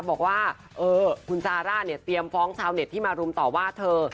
บอกว่าคุณซาร่าเนี่ยเตรียมฟ้องชาวเน็ตที่มารุมต่อว่าเธอ